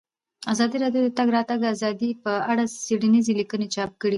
ازادي راډیو د د تګ راتګ ازادي په اړه څېړنیزې لیکنې چاپ کړي.